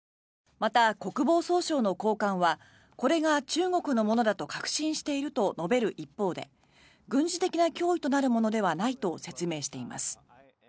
また、国防総省の高官はこれが中国のものだと確信していると述べる一方で軍事的な脅威となるものではないと説明しています。